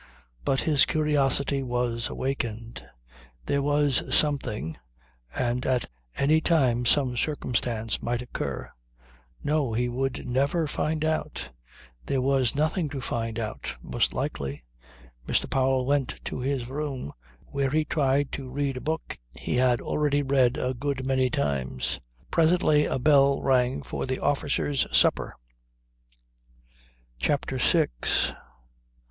But his curiosity was awakened. There was something, and at any time some circumstance might occur ... No, he would never find out ... There was nothing to find out, most likely. Mr. Powell went to his room where he tried to read a book he had already read a good many times. Presently a bell rang for the officers' supper. CHAPTER SIX